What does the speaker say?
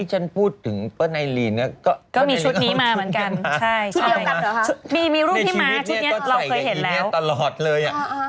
เหมือนหนูเคยเห็นรูปนี้ของคุณแม่อยู่